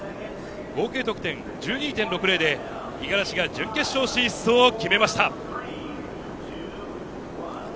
合計得点１２．６０で五十嵐が準決勝進出を決めました。